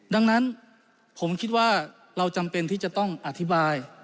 ดังนั้นผมคิดว่าเราจำเป็นที่จะต้องอธิบาย